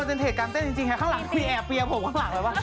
มันเป็นเหตุการณ์เต้นจริงข้างหลังมีแอบเปรียบข้างหลังแบบว่า